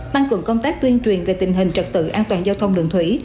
tăng cường công tác tuyên truyền về tình hình trật tự an toàn giao thông đường thủy